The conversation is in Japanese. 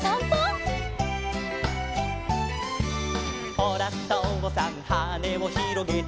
「ほらとうさんはねをひろげて」